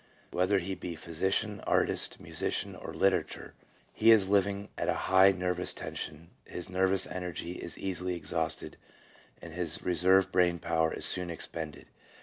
Whether he be physician, artist, musician, or literateur, he is living at a high nervous tension, his nervous energy is easily exhausted, and his reserve brain power is soon expended.